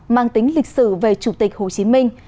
mang tính lịch sử về chủ tịch hồ chí minh